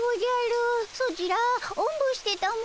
ソチらおんぶしてたも。